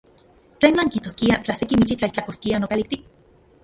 ¿Tlen nankijtoskiaj tla se kimichi tlaijtlakoskia nokalijtik?